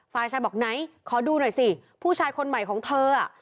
ฝ่ายชายบอกไหนขอดูหน่อยสิผู้ชายคนใหม่ของเธอ